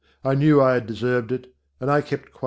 I knew I had deserved it, and I kept quiet.